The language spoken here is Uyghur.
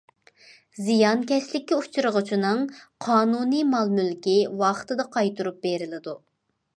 زىيانكەشلىككە ئۇچرىغۇچىنىڭ قانۇنىي مال- مۈلكى ۋاقتىدا قايتۇرۇپ بېرىلىدۇ.